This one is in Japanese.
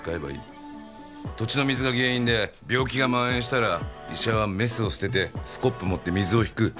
土地の水が原因で病気が蔓延したら医者はメスを捨ててスコップ持って水を引く。